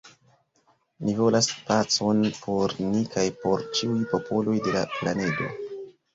Ni volas pacon por ni kaj por ĉiuj popoloj de la planedo.